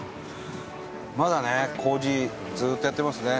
まだね、工事ずっとやってますね。